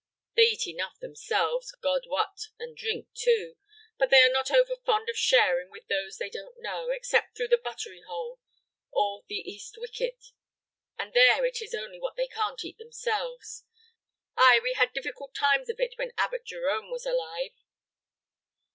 They eat enough themselves, God wot, and drink too; but they are not over fond of sharing with those they don't know, except through the buttery hole or the east wicket; and there it is only what they can't eat themselves. Ay, we had different times of it when Abbot Jerome was alive."